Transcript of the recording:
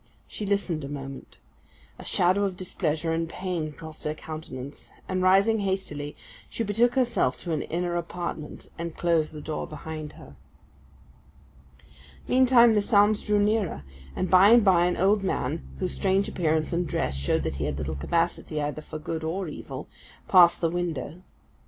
She listened a moment. A shadow of displeasure and pain crossed her countenance; and rising hastily, she betook herself to an inner apartment, and closed the door behind her. Meantime the sounds drew nearer; and by and by an old man, whose strange appearance and dress showed that he had little capacity either for good or evil, passed the window.